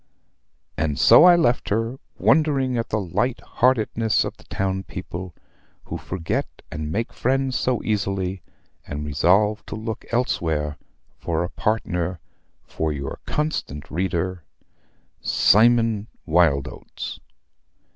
And so I left her, wondering at the light heartedness of the town people, who forget and make friends so easily, and resolved to look elsewhere for a partner for your constant reader, "CYMON WYLDOATS."